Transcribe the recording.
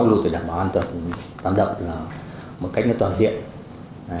sau lúc được đảm bảo an toàn đập là một cách toàn diện